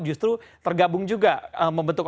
justru tergabung juga membentuk